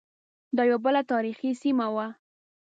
دا یوه بله تاریخی سیمه وه.